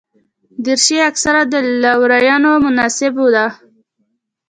دریشي اکثره د لورینو مناسبو ده.